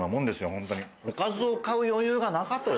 ホントに。